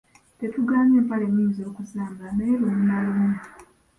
Tetugaanye empale muyinza okuzambala naye lumu na lumu.